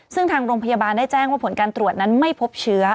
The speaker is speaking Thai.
ซึ่งทางโรงพยาบาลได้แจ้งว่าผลการตรวจนั้นไม่พบเชื้อ